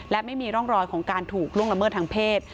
และไม่มีร่องรอยของการถูกล่วงละเมิดทางเพศ